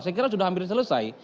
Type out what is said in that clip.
saya kira sudah hampir selesai